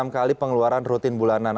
enam kali pengeluaran rutin bulanan